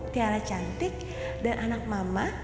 tiara cantik dan anak mama